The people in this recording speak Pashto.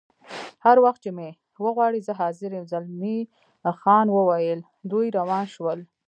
هر وخت چې مې وغواړې زه حاضر یم، زلمی خان وویل: دوی روان شول.